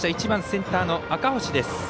１番、センターの赤星。